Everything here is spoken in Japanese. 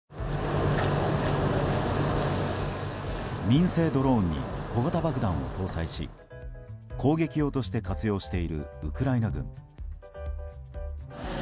ＪＴ民生ドローンに小型爆弾を搭載し攻撃用として活用しているウクライナ軍。